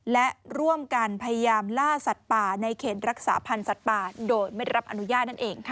และร่วมกันพยายามล่าสัตว์ป่าในเขตรักษาพันธ์สัตว์ป่าโดยไม่รับอนุญาตนั่นเองค่ะ